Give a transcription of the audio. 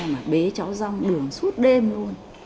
mà bế cháu rong đường suốt đêm luôn